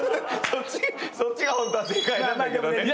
そっちがホントは正解なんだけどね。